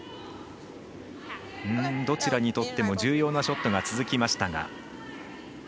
どちらにとっても重要なショットが続きましたが。